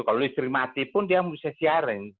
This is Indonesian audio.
kalau listrik mati pun dia bisa siaran